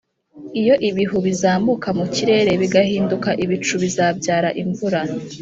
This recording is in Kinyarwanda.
iyo ibihu bizamuka mu kirere bigahinduka ibicu bizabyara imvura.